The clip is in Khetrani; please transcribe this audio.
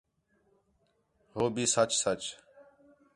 ہو بھی سچ، سچ